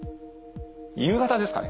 「夕方」ですかね？